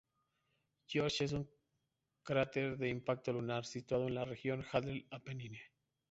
George es un cráter de impacto lunar, situado en la región Hadley-Apennine.